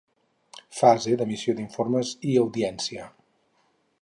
Fase d'emissió d'informes i audiència.